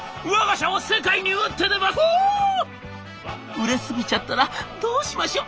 「売れすぎちゃったらどうしましょう」。